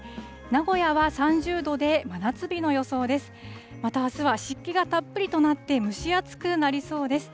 名古屋は３０度で、真夏日の予想です。